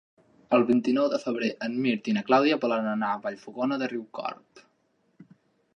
El vint-i-nou de febrer en Mirt i na Clàudia volen anar a Vallfogona de Riucorb.